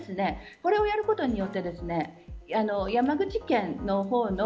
これをやることによって山口県の方の